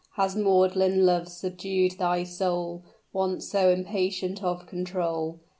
Has maudlin love subdued thy soul, Once so impatient of control?